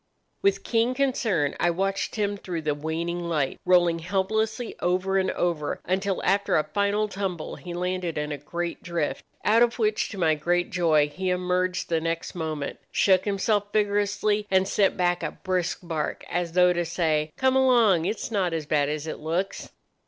"With keen concern I watched him through the waning light rolling helplessly over and over until after a final tumble he landed in a great drift, out of which, to my great joy, he emerged the next moment, shook himself vigorously, and sent back a brisk bark as though to say, 'Come along; it's not so bad as it looks.